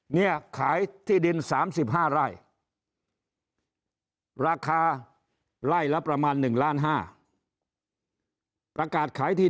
เนี่ยขายที่ดิน๓๕ไร่ราคาไร่ละประมาณ๑ล้าน๕ประกาศขายที่